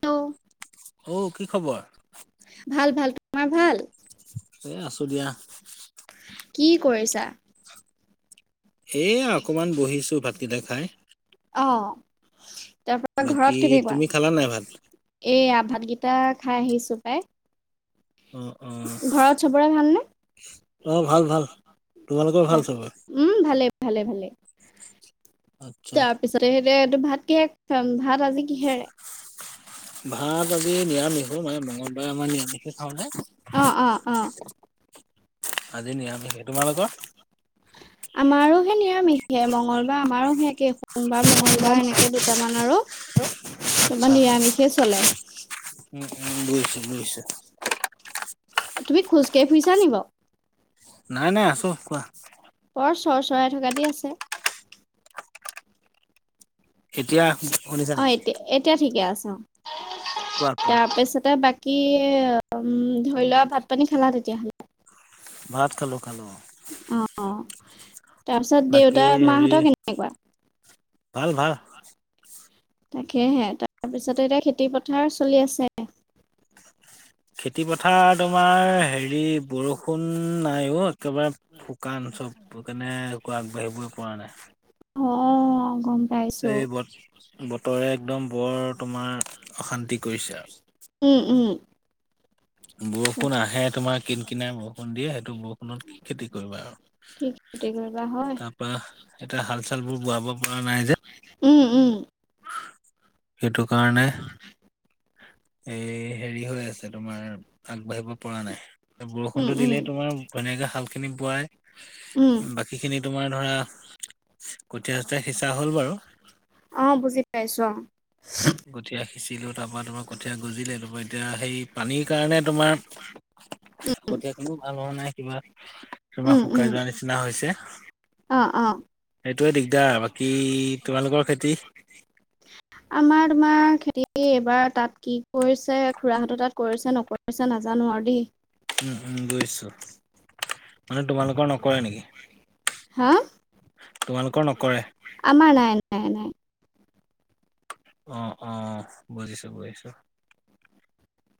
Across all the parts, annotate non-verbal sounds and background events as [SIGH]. ত'। অহ' কি খবৰ? ভাল ভাল। তোমাৰ ভাল। এ আছো দিয়া। কি কৰিছা? এয়া অকমান বহিছো ভাতকেইটা খাই অহ' তাৰপৰা বাকী ঘৰত কেনেকুৱা। তুমি খালা নাই ভাত এয়া ভাত ভাতকেইটা খাই আহিছো পাই অ অ ঘৰত চবৰে ভালনে? অ 'ভাল ভাল তোমালোকেও ভাল তাক চবৰে উম ভালে আচ্ছা তাৰ পিছতে সেইতিয়া এইটো ভাত কিহে ভাত আজি কিহেৰে ভাত আজি নিৰামিষ মানে মঙলবাৰে আমাৰ নিৰামিষ অ- অ -অ আজি নিৰামিষ তোমালোকৰ আমাৰোহে নিৰামিষে মংগলবাৰ আমাৰোহে একে সোমবাৰ মঙ্গলবাৰ এনেকে দুটামান আৰু। তোমাৰ আচ্ছা নিৰামিষে চলে। উম উম বুজিছো বুজিছো তুমি খোজকাঢ় ফুৰিছা নি বাৰু। নাই নাই আছো কোৱা বৰ চৰ চৰাই থকাতে আছে এতিয়া শুনিছা অ নেকি 'এতিয়া এতিয়া ঠিকে আছে অ কোৱা কোৱা তাৰপিছতে বাকী বাকি উম ধৰি লোৱা ভাত পানী খালা তেতিয়াহলে ভাত খালো খালো অ' তাৰপিছত বাকী দেউতা হেৰি মাহঁতৰ কেনেকুৱা। ভাল ভাল তাকেহে তাৰপিছতে এতিয়া খেতি পথাৰ চলি আছে খেতি পথাৰ তোমাৰ হেৰি বৰষুণ নাইঅ' একেবাৰে শুকান চব কেনে আগবাঢ়িবই পৰা নাই অ' গম পাইছো এই বত বতৰে একদম বৰ তোমাৰ অশান্তি কৰিছে উম উম বৰষুণ আহে তোমাৰ কিন কিনাৰ বৰষুণ দিয়ে সেইটো বৰষুণত খেতি কৰিবা আৰু [UNINTELLIGIBLE] তা পা এতিয়া হাল চাল বোৰ বোৱাব পৰা নাই যে উম উম সেইটো কাৰণে এই হেৰি হৈ আছে তোমাৰ আগবাঢ়িব পৰা নাই উম বৰষুণটো উম দিলে তোমাৰ ধুনীয়াকে হাল খিনি উম বোৱাই বাকী খিনি তোমাৰ ধৰা কঠীয়া চতে সিঁচা হল বাৰু অ', বুজি পাইছোঁ অ' কঠীয়া সিঁচিলো তাৰ পৰাা তোমাৰ কঠীয়া গুজিলে তোমাৰ এতিয়া সেই পানীৰ কাৰণে তোমাৰ কঠীয়া খিনি ভাল হোৱা নাই কিবা কিবা উম উম শুকাই যোৱাৰ নিচিনা হৈছে অ' অ' সেইটোয়ে দিগদাৰ বাকী তোমালোকৰ খেতি আমাৰ তোমাৰ খেতি এইবাৰ তাত কি কৰিছে খুৰাহঁতৰ তাত কৰিছে নকৰিছে নাজানো আৰু দেই মান তোমালোকৰ নকৰে নেকি হাঁ তোমালোকৰ নকৰে আমাৰ নাই নাই নাই অ অ বুজিছো বুজিছো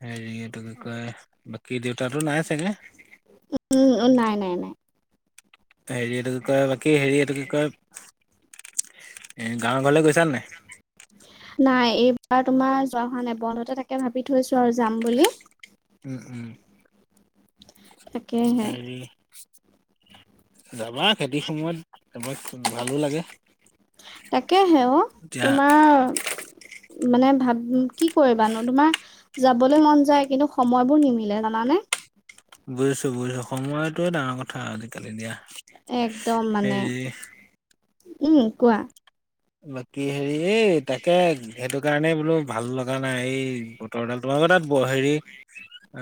হেৰি এটো কি কয় বাকি দেউ তাতো নাই চাগে উম নাই নাই নাই হেৰি এইটো কি কয় বাকী হেৰি এইটো কি কয় এ গাঁৱৰ ঘৰলে গৈছা নে নাই নাই এইবাৰ তোমাৰ যোৱা হোৱা নাই বন্ধতে তাকে ভাবি থৈছো আৰু যাম বুলি উম উম তাকেহে হেৰি যাবা খেতিৰ সময়ত তাক ভালো লাগে তাকে হেও এতিয়া তোমাৰ মানে ভাব কি কৰিবানো তোমাৰ যাবলৈ মন যায় কিন্তু সময়বোৰ নিমিলে জানানে বুজিছো বুজিছো সময়তোৱে ডাঙৰ কথা আজিকালি দিয়া একদম মানে হেৰি উম কোৱা বাকী হেৰি এই তাকে সেইটো কাৰণে বোলো ভাল লগা নাই এই বতৰডাল তোমালোকৰ তাত ব হেৰি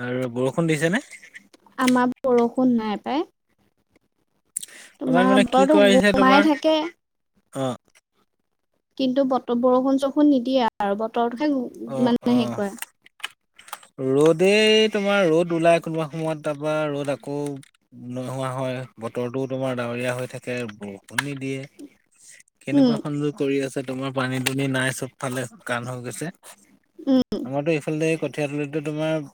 আৰু বৰষুণ দিছে নে আমাৰ বৰষুণ নাই পায় আমাৰ মানে কি কৰিছে গোমাই তোমাৰ থাকে অ কিন্তু বতৰ বৰষুণ চৰষুণ নিদিয়ে আৰু বতৰতোহে অ অ মানে সে ক ৰ'দেই তোমাৰ ৰ'দ ওলাই কোনোবা সময়ত তাৰপা ৰ'দ আকৌ নোহোৱা হয় বতৰটোও তোমাৰ ডাৱৰীয়া হৈ থাকে বৰষুণ দিয়ে উম কেনেকুৱা সংযোগ কৰি আছে তোমাৰ পানী দুনি নাই চবফালে শুকান হৈ গৈছে আমাৰতো এইফালে কঠীয়া তলিতো তোমাৰ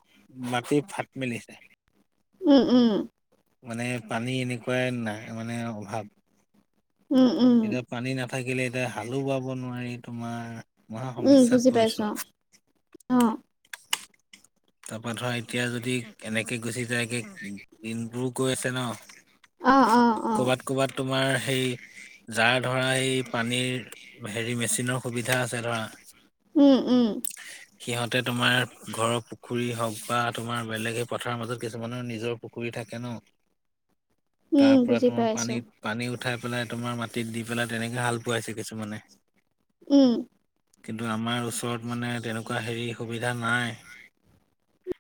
মাটি ফাট মেলিছে উম উম মানে পানী এনেকুৱাই নাই মানে অভাৱ উম উম থাকিলে এতিয়া হালো বাব নোৱাৰি তোমাৰ মহা উম সমস্যাত বুজি পৰিছো পাইছো অ অ তাৰপা ধৰা এতিয়া যদি এনেকে গুচি যায়গৈ। দিনবোৰো গৈ আছে অ অ অ ন। অ ক'বাত ক'বাত তোমাৰ সেই জাৰ ধৰা এই পানীৰ হেৰি মেচিনৰ সুবিধা আছে ধৰা। উম, উম। সিহঁতে তোমাৰ ঘৰক পুখুৰী হওঁক বা তোমাৰ বেলেগ সেই পথাৰৰ মাজত কিছুমানৰ নিজৰ পুখুৰী থাকে ন। উম তাৰ পৰা বুজি তোমাৰ পাইছো পানীত পানী উঠাই পেলাই তোমাৰ মাটিত দি পেলাই তেনেকে হাল বোৱাইছে কিছুমানে। উম। কিন্তু আমাৰ ওচৰত মানে তেনেকুৱা হেৰি সুবিধা নাই।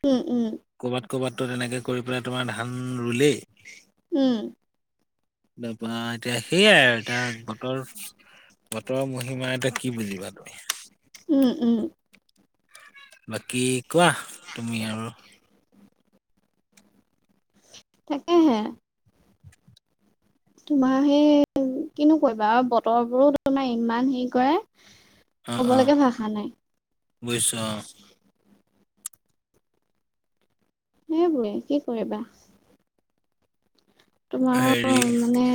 উম, উম। ক'বাত ক'বাতটো তেনেকৈ কৰি পেলাই তোমাৰ ধান ৰুলেই। উম তাপা এতিয়া সেইয়াই আৰু এতিয়া বতৰ। বতৰৰ মহিমা এটা কি বুজিবা তুমি। উম, উম। বাকী কোৱা তুমি আৰু। তাকে হে। তোমাৰ সেই কিনো কৰিবা আৰু বতৰ বোৰো তোমাৰ ইমান হেৰি কৰে। অ' ক'ব অ' লগে ভাষা নাই। বুজিছো অ' সেইবোৰে কি কৰিবা? তোমাৰ হেৰি মানে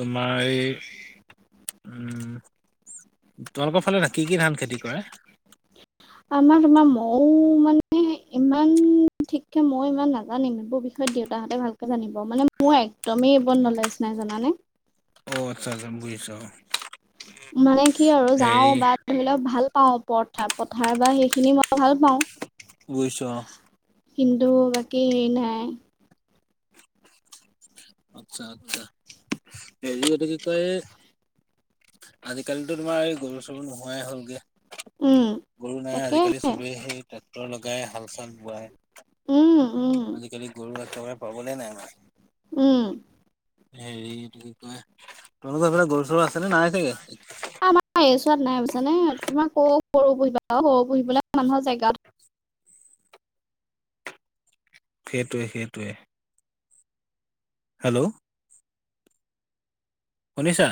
তোমাৰ এই। উম তোমালোকৰ ফালে কি কি ধান খেতি কৰে। আমাৰ তোমাৰ ময়ও মানে ইমান ঠিককে ময় ইমান নাজানিম এইবোৰবিষয়। দেউতাহঁতে ভালকে জানিব। মানে মোৰ একদমেই এইবোৰত নলেজ নাই জানানে। অ আচ্ছা আচ্ছা বুজিছ। মানে কি আৰু যাও বা ধৰি লও ভাল। পাওঁ প পথাৰ বা সেইখিনি মই ভাল পাওঁ। বজিছো অ। কিন্তু বাকী এ নাই। আচ্ছা আচ্ছা হেৰি এটো কি কয়। আজিকালিতো তোমাৰ এই গৰু চৰু নোহোৱাই হ'লগে। উম গৰু নাই তাকে আজিকালি চবে সেই ট্ৰেক্টৰ লগাই হাল চাল বোৱাই। উম, উম। ল'ৰা পাবলে নাই আমাৰ ইয়াত। উম। হেৰিটো কয়? তোমালোকৰ সেইফালে গৰু চৰু আছেনে নাই চাগে? আমাৰ আহ এইছোৱাত নাই পিছ নে তোমাৰ ক সৰু পুহিবা সৰু পুহিবলৈ মানুহৰ [UNINTELLIGIBLE] সেইটোৱে। সেইটোৱে। হেল্ল'। শুনিছা।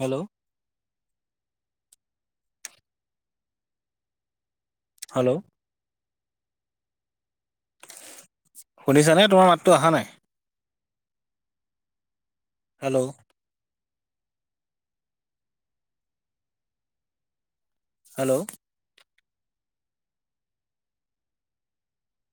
হেল্ল'। হেল্ল' শুনিছানে তোমাৰ মাততো অহা নাই। হেল্ল'। হেল্ল'।